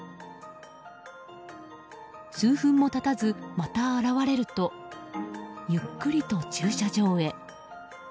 数分も経たずまた現れるとゆっくりと駐車場へ。